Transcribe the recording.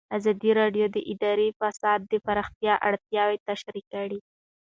ازادي راډیو د اداري فساد د پراختیا اړتیاوې تشریح کړي.